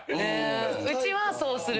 うちはそうする。